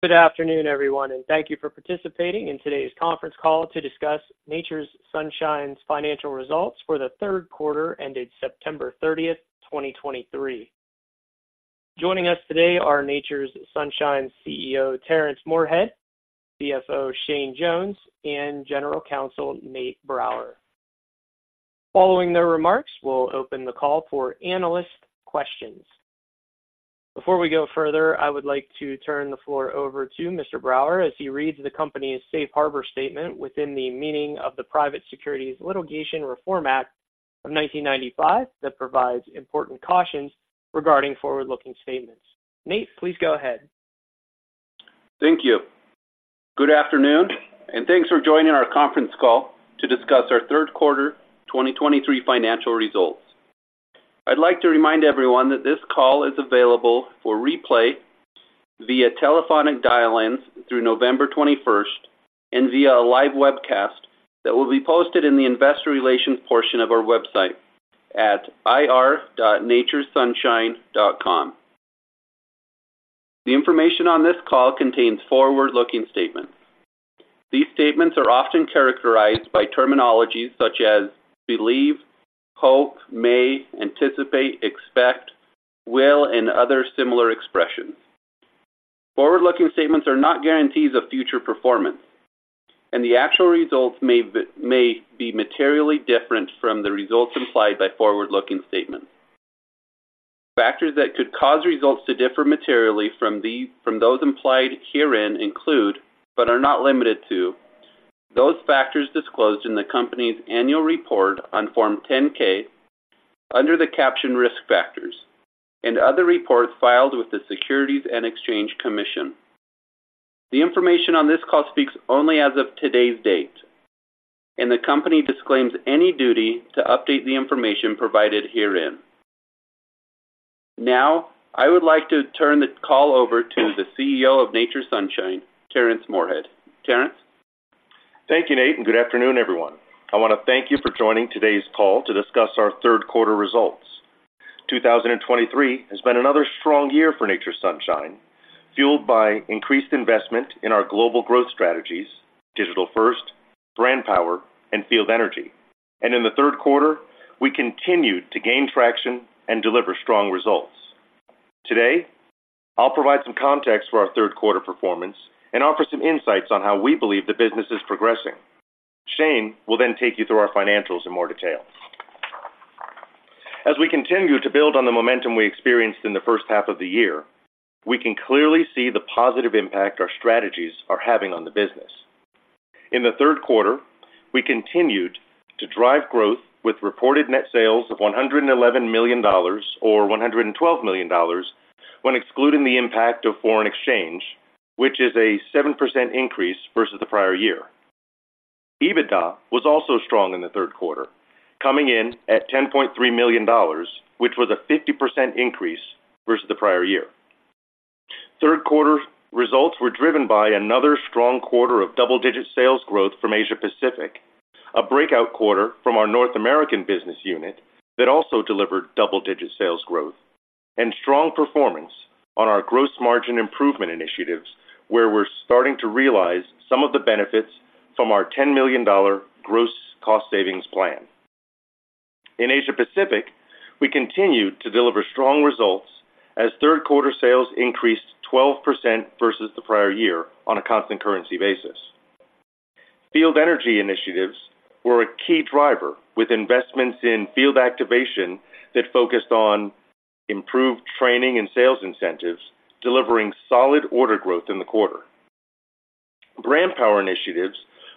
Good afternoon, everyone, and thank you for participating in today's conference call to discuss Nature's Sunshine's financial results for the third quarter ended September 30, 2023. Joining us today are Nature's Sunshine CEO, Terrence Moorehead, CFO, Shane Jones, and General Counsel, Nate Brower. Following their remarks, we'll open the call for analyst questions. Before we go further, I would like to turn the floor over to Mr. Brower as he reads the company's safe harbor statement within the meaning of the Private Securities Litigation Reform Act of 1995, that provides important cautions regarding forward-looking statements. Nate, please go ahead. Thank you. Good afternoon, and thanks for joining our conference call to discuss our third quarter 2023 financial results. I'd like to remind everyone that this call is available for replay via telephonic dial-ins through November 21st and via a live webcast that will be posted in the investor relations portion of our website at ir.naturesunshine.com. The information on this call contains forward-looking statements. These statements are often characterized by terminologies such as believe, hope, may, anticipate, expect, will, and other similar expressions. Forward-looking statements are not guarantees of future performance, and the actual results may be materially different from the results implied by forward-looking statements. Factors that could cause results to differ materially from these, from those implied herein include, but are not limited to, those factors disclosed in the company's annual report on Form 10-K under the caption Risk Factors and other reports filed with the Securities and Exchange Commission. The information on this call speaks only as of today's date, and the company disclaims any duty to update the information provided herein. Now, I would like to turn the call over to the CEO of Nature's Sunshine, Terrence Moorehead. Terrence? Thank you, Nate, and good afternoon, everyone. I want to thank you for joining today's call to discuss our third quarter results. 2023 has been another strong year for Nature's Sunshine, fueled by increased investment in our global growth strategies, Digital First, Brand Power, and field energy. And in the third quarter, we continued to gain traction and deliver strong results. Today, I'll provide some context for our third quarter performance and offer some insights on how we believe the business is progressing. Shane will then take you through our financials in more detail. As we continue to build on the momentum we experienced in the first half of the year, we can clearly see the positive impact our strategies are having on the business. In the third quarter, we continued to drive growth with reported net sales of $111 million, or $112 million when excluding the impact of foreign exchange, which is a 7% increase versus the prior year. EBITDA was also strong in the third quarter, coming in at $10.3 million, which was a 50% increase versus the prior year. Third quarter results were driven by another strong quarter of double-digit sales growth from Asia-Pacific, a breakout quarter from our North American business unit that also delivered double-digit sales growth and strong performance on our gross margin improvement initiatives, where we're starting to realize some of the benefits from our $10 million gross cost savings plan. In Asia-Pacific, we continued to deliver strong results as third quarter sales increased 12% versus the prior year on a Constant Currency basis. Field Energy initiatives were a key driver, with investments in field activation that focused on improved training and sales incentives, delivering solid order growth in the quarter. Brand Power initiatives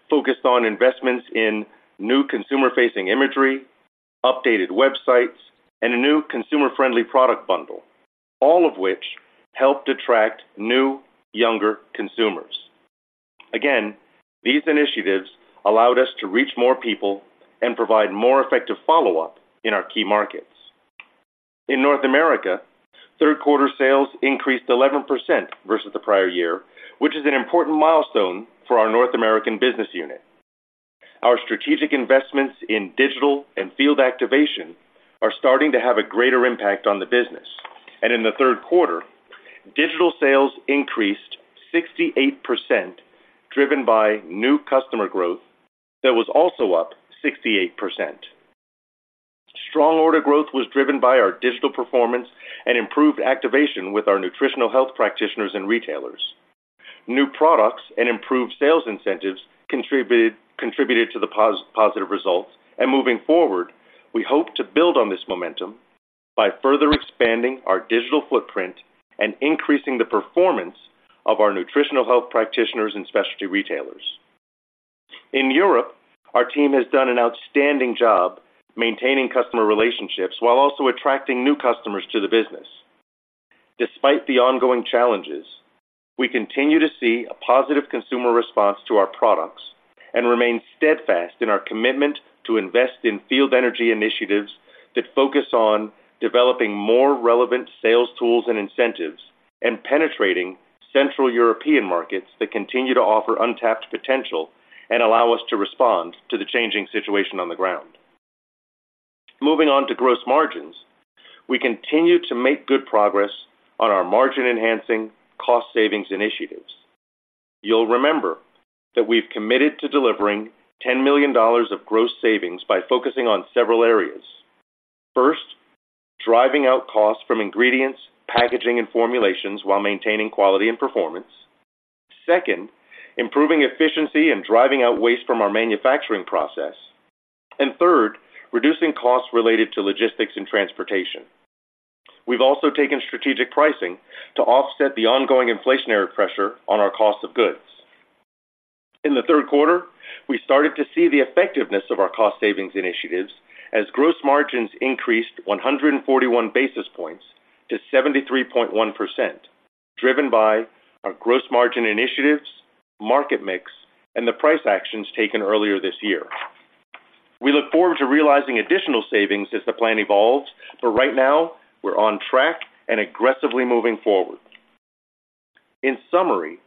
focused on investments in new consumer-facing imagery, updated websites, and a new consumer-friendly product bundle, all of which helped attract new, younger consumers. Again, these initiatives allowed us to reach more people and provide more effective follow-up in our key markets. In North America, third quarter sales increased 11% versus the prior year, which is an important milestone for our North American business unit. Our strategic investments in digital and field activation are starting to have a greater impact on the business, and in the third quarter, digital sales increased 68%, driven by new customer growth that was also up 68%. Strong order growth was driven by our digital performance and improved activation with our nutritional health practitioners and retailers. New products and improved sales incentives contributed to the positive results, and moving forward, we hope to build on this momentum by further expanding our digital footprint and increasing the performance of our nutritional health practitioners and specialty retailers. In Europe, our team has done an outstanding job maintaining customer relationships while also attracting new customers to the business. Despite the ongoing challenges, we continue to see a positive consumer response to our products and remain steadfast in our commitment to invest in Field Energy initiatives that focus on developing more relevant sales tools and incentives, and penetrating Central European markets that continue to offer untapped potential and allow us to respond to the changing situation on the ground. Moving on to gross margins. We continue to make good progress on our margin-enhancing, cost-savings initiatives. You'll remember that we've committed to delivering $10 million of gross savings by focusing on several areas. First, driving out costs from ingredients, packaging, and formulations while maintaining quality and performance. Second, improving efficiency and driving out waste from our manufacturing process. And third, reducing costs related to logistics and transportation. We've also taken strategic pricing to offset the ongoing inflationary pressure on our cost of goods. In the third quarter, we started to see the effectiveness of our cost savings initiatives as gross margins increased 141 basis points to 73.1%, driven by our gross margin initiatives, market mix, and the price actions taken earlier this year. We look forward to realizing additional savings as the plan evolves, but right now we're on track and aggressively moving forward. In summary,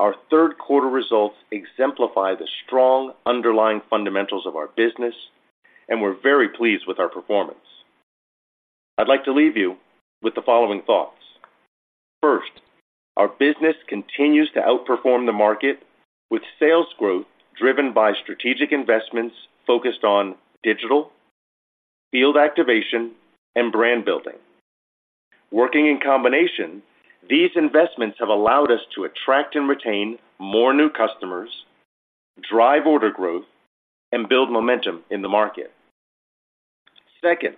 our third quarter results exemplify the strong underlying fundamentals of our business, and we're very pleased with our performance. I'd like to leave you with the following thoughts. First, our business continues to outperform the market, with sales growth driven by strategic investments focused on digital, field activation, and brand building. Working in combination, these investments have allowed us to attract and retain more new customers, drive order growth, and build momentum in the market. Second,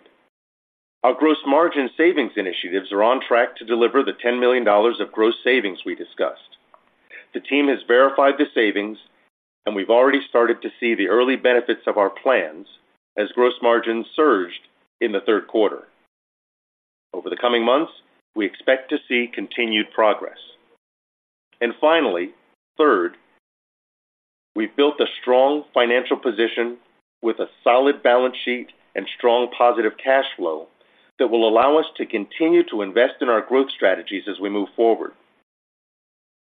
our gross margin savings initiatives are on track to deliver the $10 million of gross savings we discussed. The team has verified the savings, and we've already started to see the early benefits of our plans as gross margins surged in the third quarter. Over the coming months, we expect to see continued progress. And finally, third, we've built a strong financial position with a solid balance sheet and strong positive cash flow that will allow us to continue to invest in our growth strategies as we move forward.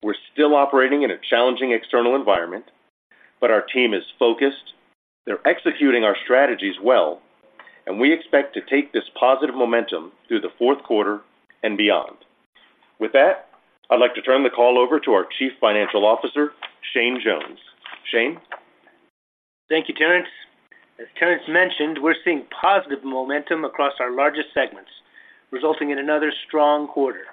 We're still operating in a challenging external environment, but our team is focused, they're executing our strategies well, and we expect to take this positive momentum through the fourth quarter and beyond. With that, I'd like to turn the call over to our Chief Financial Officer, Shane Jones. Shane? Thank you, Terrence. As Terrence mentioned, we're seeing positive momentum across our largest segments, resulting in another strong quarter.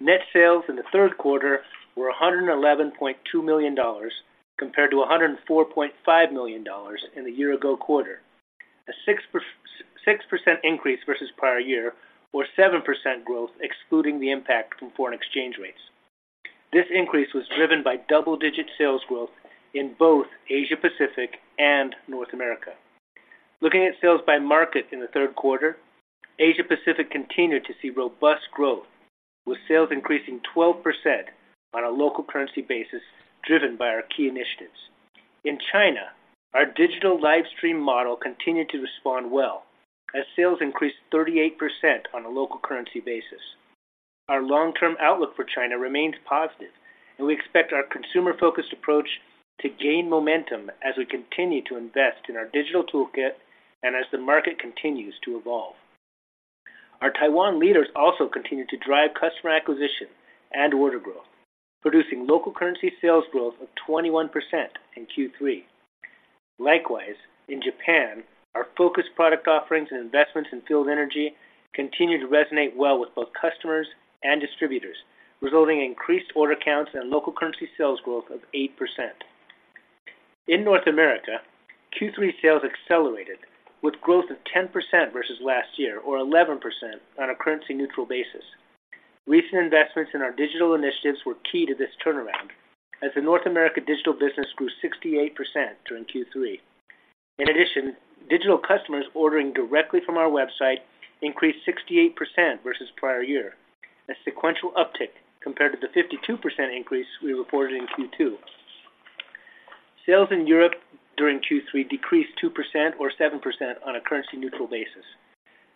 Net sales in the third quarter were $111.2 million, compared to $104.5 million in the year-ago quarter, a 6% increase versus prior year, or 7% growth, excluding the impact from foreign exchange rates. This increase was driven by double-digit sales growth in both Asia-Pacific and North America. Looking at sales by market in the third quarter, Asia-Pacific continued to see robust growth, with sales increasing 12% on a local currency basis, driven by our key initiatives. In China, our digital live stream model continued to respond well as sales increased 38% on a local currency basis. Our long-term outlook for China remains positive, and we expect our consumer-focused approach to gain momentum as we continue to invest in our digital toolkit and as the market continues to evolve. Our Taiwan leaders also continued to drive customer acquisition and order growth, producing local currency sales growth of 21% in Q3. Likewise, in Japan, our focused product offerings and investments in field energy continued to resonate well with both customers and distributors, resulting in increased order counts and local currency sales growth of 8%. In North America, Q3 sales accelerated with growth of 10% versus last year, or 11% on a currency-neutral basis. Recent investments in our digital initiatives were key to this turnaround, as the North America digital business grew 68% during Q3. In addition, digital customers ordering directly from our website increased 68% versus prior year, a sequential uptick compared to the 52% increase we reported in Q2. Sales in Europe during Q3 decreased 2% or 7% on a currency-neutral basis.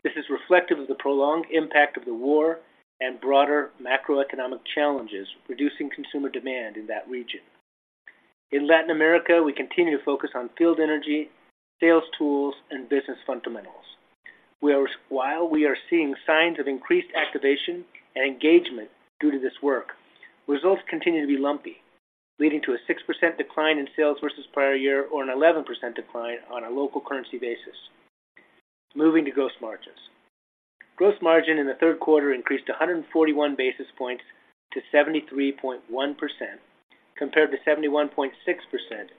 This is reflective of the prolonged impact of the war and broader macroeconomic challenges, reducing consumer demand in that region. In Latin America, we continue to focus on field energy, sales tools, and business fundamentals. While we are seeing signs of increased activation and engagement due to this work, results continue to be lumpy, leading to a 6% decline in sales versus prior year or an 11% decline on a local currency basis. Moving to gross margins. Gross margin in the third quarter increased 141 basis points to 73.1%, compared to 71.6%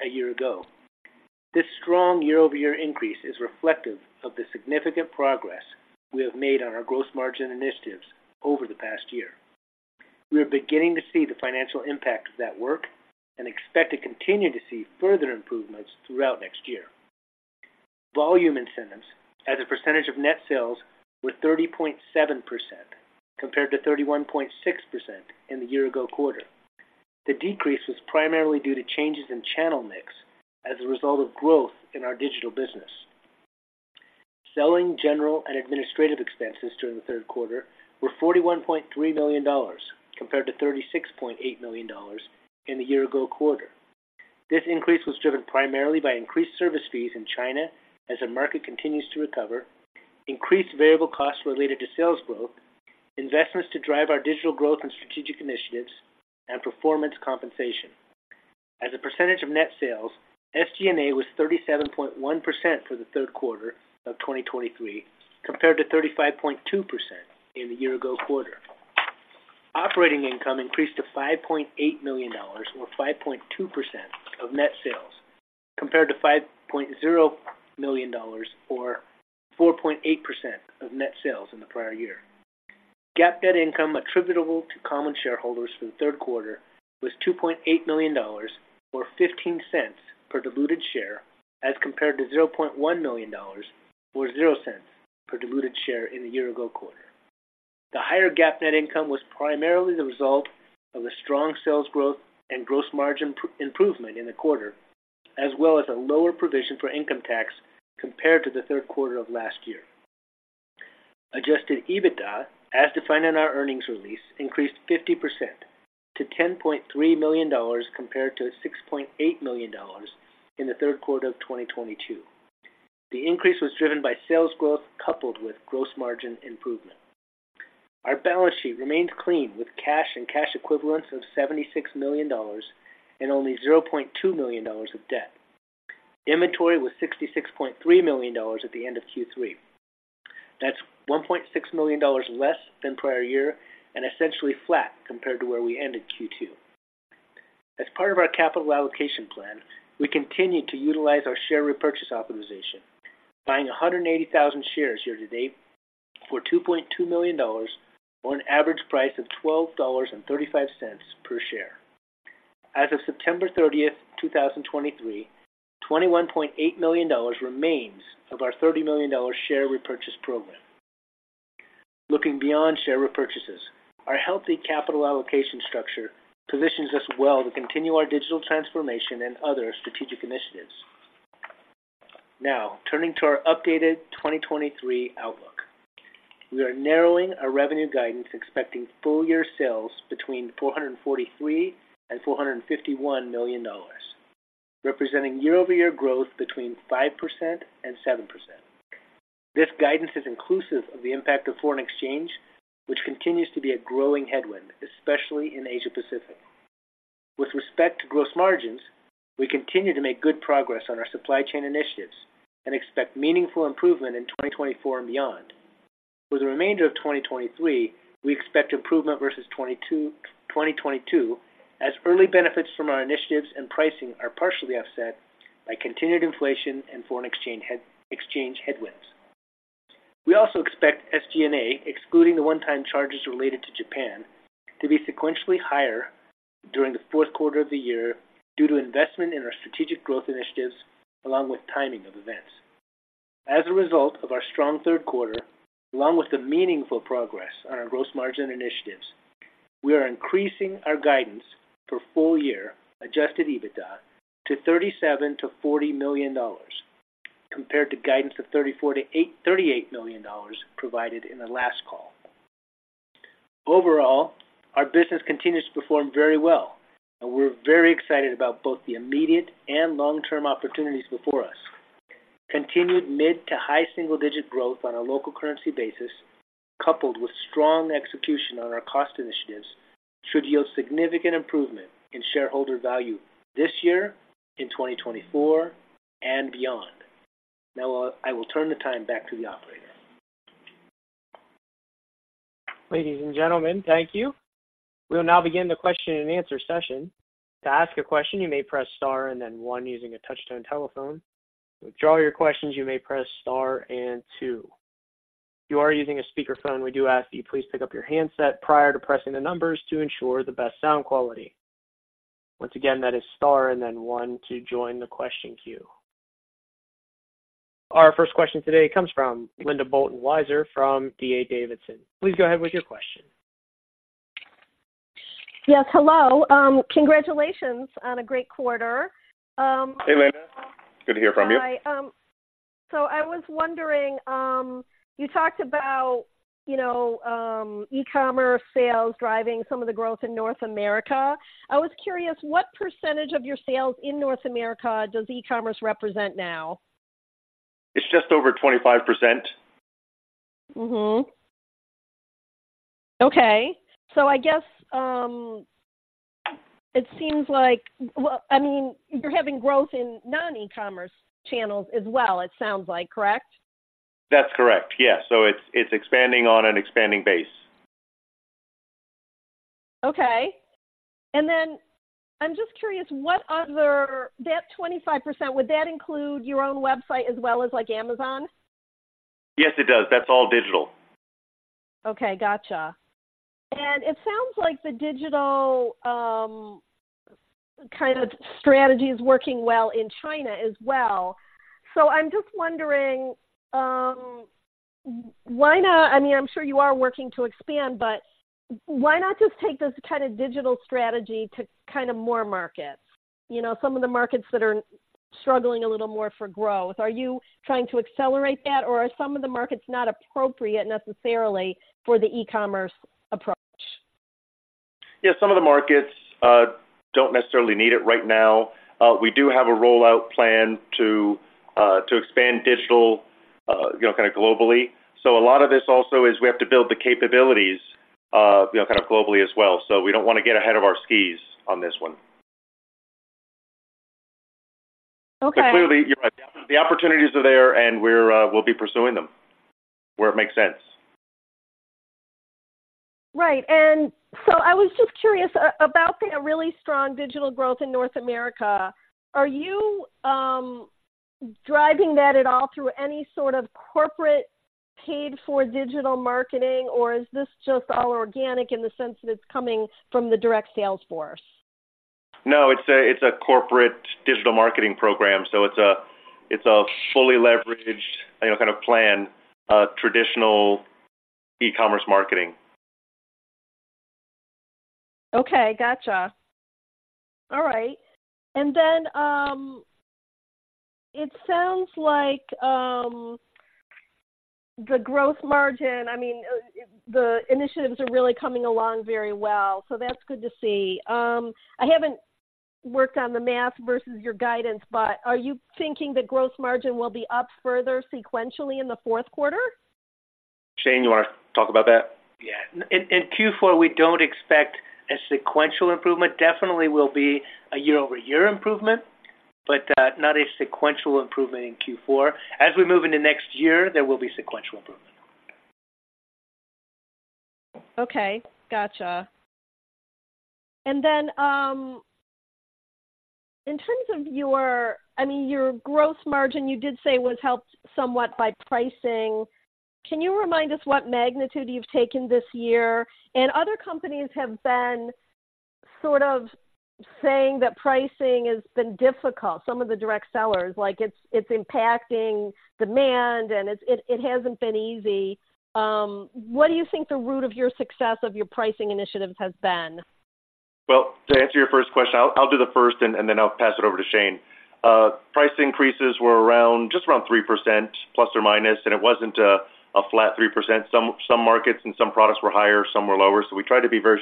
a year ago. This strong year-over-year increase is reflective of the significant progress we have made on our gross margin initiatives over the past year. We are beginning to see the financial impact of that work and expect to continue to see further improvements throughout next year. Volume incentives as a percentage of net sales were 30.7%, compared to 31.6% in the year-ago quarter. The decrease was primarily due to changes in channel mix as a result of growth in our digital business. Selling, general, and administrative expenses during the third quarter were $41.3 million, compared to $36.8 million in the year-ago quarter. This increase was driven primarily by increased service fees in China as the market continues to recover, increased variable costs related to sales growth, investments to drive our digital growth and strategic initiatives, and performance compensation. As a percentage of net sales, SG&A was 37.1% for the third quarter of 2023, compared to 35.2% in the year-ago quarter. Operating income increased to $5.8 million, or 5.2% of net sales, compared to $5.0 million, or 4.8% of net sales in the prior year. GAAP net income attributable to common shareholders for the third quarter was $2.8 million, or $0.15 per diluted share, as compared to $0.1 million, or $0.00 per diluted share in the year-ago quarter. The higher GAAP net income was primarily the result of the strong sales growth and gross margin improvement in the quarter, as well as a lower provision for income tax compared to the third quarter of last year. Adjusted EBITDA, as defined in our earnings release, increased 50% to $10.3 million, compared to $6.8 million in the third quarter of 2022. The increase was driven by sales growth, coupled with gross margin improvement. Our balance sheet remained clean, with cash and cash equivalents of $76 million and only $0.2 million of debt. Inventory was $66.3 million at the end of Q3. That's $1.6 million less than prior year and essentially flat compared to where we ended Q2. As part of our capital allocation plan, we continued to utilize our share repurchase authorization, buying 180,000 shares year to date for $2.2 million, or an average price of $12.35 per share. As of September 30, 2023, $21.8 million remains of our $30 million share repurchase program. Looking beyond share repurchases, our healthy capital allocation structure positions us well to continue our digital transformation and other strategic initiatives. Now, turning to our updated 2023 outlook. We are narrowing our revenue guidance, expecting full year sales between $443 million and $451 million, representing year-over-year growth between 5% and 7%. This guidance is inclusive of the impact of foreign exchange, which continues to be a growing headwind, especially in Asia-Pacific. With respect to gross margins, we continue to make good progress on our supply chain initiatives and expect meaningful improvement in 2024 and beyond. For the remainder of 2023, we expect improvement versus 2022, as early benefits from our initiatives and pricing are partially offset by continued inflation and foreign exchange headwinds. We also expect SG&A, excluding the one-time charges related to Japan, to be sequentially higher during the fourth quarter of the year due to investment in our strategic growth initiatives, along with timing of events. As a result of our strong third quarter, along with the meaningful progress on our gross margin initiatives, we are increasing our guidance for full year adjusted EBITDA to $37 million-$40 million, compared to guidance of $34 million-$38 million provided in the last call. Overall, our business continues to perform very well, and we're very excited about both the immediate and long-term opportunities before us. Continued mid to high single-digit growth on a local currency basis, coupled with strong execution on our cost initiatives, should yield significant improvement in shareholder value this year, in 2024, and beyond. Now, I will, I will turn the time back to the operator. Ladies and gentlemen, thank you. We'll now begin the question-and-answer session. To ask a question, you may press Star and then One using a touch-tone telephone. To withdraw your questions, you may press Star and Two. If you are using a speakerphone, we do ask you please pick up your handset prior to pressing the numbers to ensure the best sound quality. Once again, that is Star and then One to join the question queue. Our first question today comes from Linda Bolton Weiser from D.A. Davidson. Please go ahead with your question. Yes, hello. Congratulations on a great quarter. Hey, Linda. Good to hear from you. Hi, so I was wondering, you talked about, you know, e-commerce sales driving some of the growth in North America. I was curious, what percentage of your sales in North America does e-commerce represent now? It's just over 25%. Okay. So I guess, it seems like. Well, I mean, you're having growth in non-e-commerce channels as well, it sounds like, correct? That's correct. Yes. So it's, it's expanding on an expanding base. Okay. And then I'm just curious, what other, that 25%, would that include your own website as well as, like, Amazon? Yes, it does. That's all digital. Okay, gotcha. It sounds like the digital, kind of strategy is working well in China as well. I'm just wondering, why not. I mean, I'm sure you are working to expand, but why not just take this kind of digital strategy to kind of more markets? You know, some of the markets that are struggling a little more for growth, are you trying to accelerate that, or are some of the markets not appropriate necessarily for the e-commerce approach? Yeah, some of the markets don't necessarily need it right now. We do have a rollout plan to expand digital, you know, kind of globally. So a lot of this also is we have to build the capabilities, you know, kind of globally as well. So we don't want to get ahead of our skis on this one. Okay. But clearly, you're right. The opportunities are there, and we're, we'll be pursuing them where it makes sense. Right. And so I was just curious about the really strong digital growth in North America. Are you driving that at all through any sort of corporate paid for digital marketing, or is this just all organic in the sense that it's coming from the direct sales force? No, it's a corporate digital marketing program, so it's a fully leveraged, you know, kind of plan, traditional e-commerce marketing. Okay, gotcha. All right. And then, it sounds like, the gross margin, I mean, the initiatives are really coming along very well, so that's good to see. I haven't worked on the math versus your guidance, but are you thinking the gross margin will be up further sequentially in the fourth quarter? Shane, you want to talk about that? Yeah. In Q4, we don't expect a sequential improvement. Definitely will be a year-over-year improvement, but not a sequential improvement in Q4. As we move into next year, there will be sequential improvement. Okay, gotcha. And then, in terms of your... I mean, your gross margin, you did say, was helped somewhat by pricing. Can you remind us what magnitude you've taken this year? And other companies have been sort of saying that pricing has been difficult. Some of the direct sellers, like, it's impacting demand, and it hasn't been easy. What do you think the root of your success of your pricing initiatives has been? Well, to answer your first question, I'll do the first, and then I'll pass it over to Shane. Price increases were around just around 3%, plus or minus, and it wasn't a flat 3%. Some markets and some products were higher, some were lower. So we tried to be very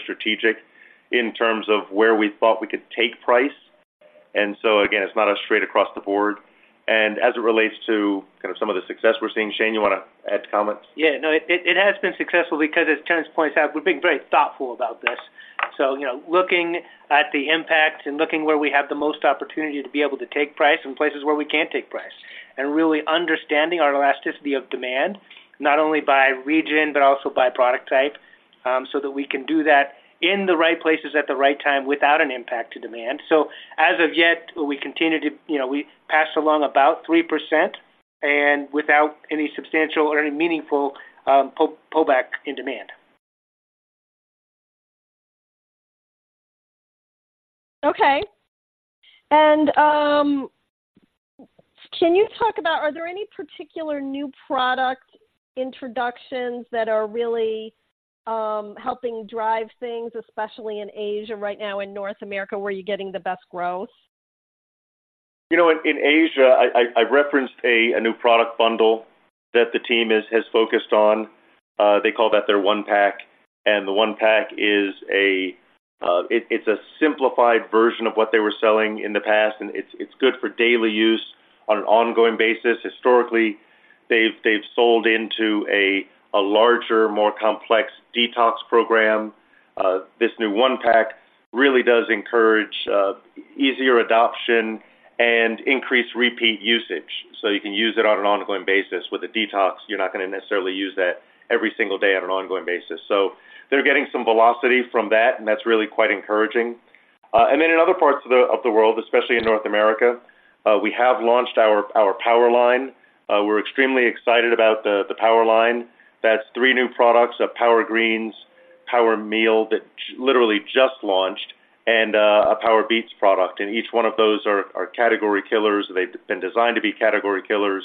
strategic in terms of where we thought we could take price. And so again, it's not a straight across the board. And as it relates to kind of some of the success we're seeing, Shane, you want to add comments? Yeah. No, it has been successful because as Terrence points out, we've been very thoughtful about this. So, you know, looking at the impact and looking where we have the most opportunity to be able to take price and places where we can't take price, and really understanding our elasticity of demand, not only by region, but also by product type, so that we can do that in the right places at the right time without an impact to demand. So as of yet, we continue to, you know, we passed along about 3% and without any substantial or any meaningful pullback in demand. Okay. And, can you talk about are there any particular new product introductions that are really helping drive things, especially in Asia right now, in North America, where you're getting the best growth? You know, in Asia, I referenced a new product bundle that the team has focused on. They call that their One Pack, and the One Pack is a simplified version of what they were selling in the past, and it's good for daily use on an ongoing basis. Historically, they've sold into a larger, more complex detox program. This new One Pack really does encourage easier adoption and increased repeat usage, so you can use it on an ongoing basis. With a detox, you're not going to necessarily use that every single day on an ongoing basis. So they're getting some velocity from that, and that's really quite encouraging. And then in other parts of the world, especially in North America, we have launched our Power line. We're extremely excited about the Power line. That's three new products, a Power Greens, Power Meal, that literally just launched, and a Power Beets product. And each one of those are category killers. They've been designed to be category killers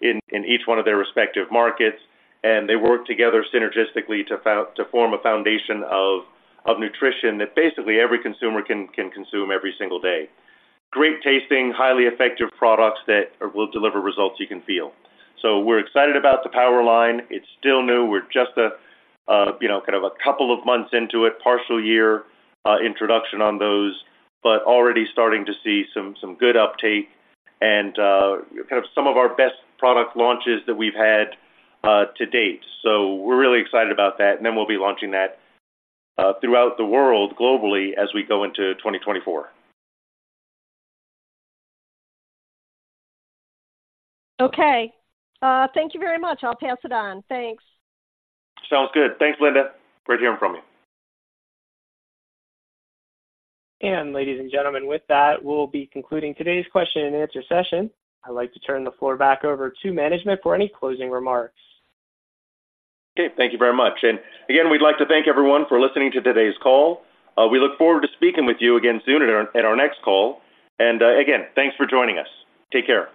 in each one of their respective markets, and they work together synergistically to form a foundation of nutrition that basically every consumer can consume every single day. Great tasting, highly effective products that will deliver results you can feel. So we're excited about the Power line. It's still new. We're just a you know kind of couple of months into it, partial year introduction on those, but already starting to see some good uptake and kind of some of our best product launches that we've had to date. So we're really excited about that, and then we'll be launching that throughout the world globally as we go into 2024. Okay. Thank you very much. I'll pass it on. Thanks. Sounds good. Thanks, Linda. Great hearing from you. Ladies and gentlemen, with that, we'll be concluding today's question and answer session. I'd like to turn the floor back over to management for any closing remarks. Okay, thank you very much. And again, we'd like to thank everyone for listening to today's call. We look forward to speaking with you again soon at our, at our next call. And, again, thanks for joining us. Take care.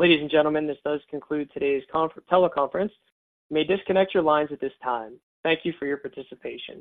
Ladies and gentlemen, this does conclude today's conference teleconference. You may disconnect your lines at this time. Thank you for your participation.